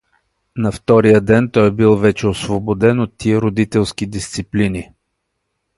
На втория ден той бил вече освободен от тия родителски дисциплини.